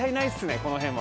この辺は。